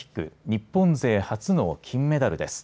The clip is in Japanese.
日本勢、初の金メダルです。